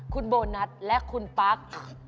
คุณโบนัสและคุณปั๊ก